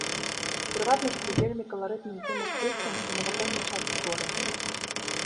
У прыватнасці, вельмі каларытны здымак прыстані і навакольнай часткі гораду.